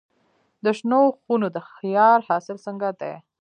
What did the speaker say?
د شنو خونو د خیار حاصل څنګه دی؟